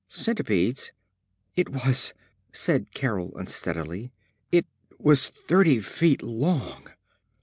Centipedes " "It was " said Carol unsteadily. "It was thirty feet long!"